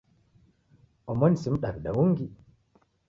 Omoni si mdaw'ida ungi.